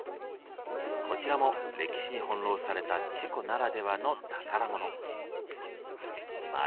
こちらも歴史に翻弄されたチェコならではの宝物。